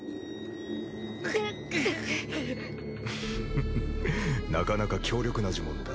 フフフなかなか強力な呪文だ。